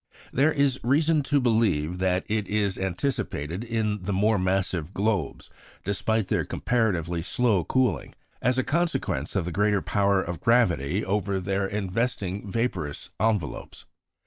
There is reason to believe that it is anticipated in the more massive globes, despite their comparatively slow cooling, as a consequence of the greater power of gravity over their investing vaporous envelopes.